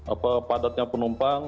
apa padatnya penumpang